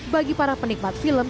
bagi para penikmat film